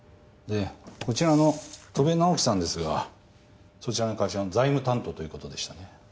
でこちらの戸部直樹さんですがそちらの会社の財務担当ということでしたね。